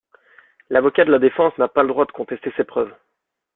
L'avocat de la défense n'a pas le droit de contester ces preuves.